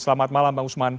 selamat malam pak usman